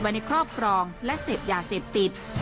ในครอบครองและเสพยาเสพติด